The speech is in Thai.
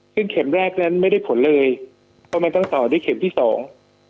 ซึ่งเข็มแรกนั้นไม่ได้ผลเลยเพราะมันต้องต่อด้วยเข็มที่สอง